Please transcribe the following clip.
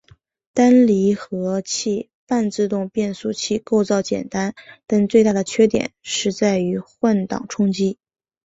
单离合器半自动变速器构造简单但最大的缺点在于换挡冲击。